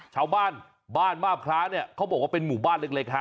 ชาวบ้านบ้านมาบพระเนี่ยเขาบอกว่าเป็นหมู่บ้านเล็กฮะ